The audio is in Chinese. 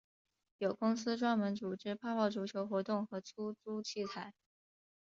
有公司专门组织泡泡足球活动和出租器材。